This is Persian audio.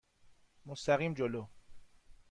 مستقیم جلو.